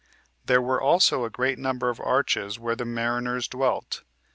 There were also a great number of arches where the mariners dwelt.